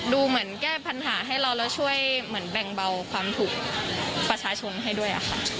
ดูเหมือนแก้ปัญหาให้เราแล้วช่วยเหมือนแบ่งเบาความถูกประชาชนให้ด้วยค่ะ